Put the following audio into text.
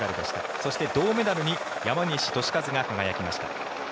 そして銅メダルに山西利和が輝きました。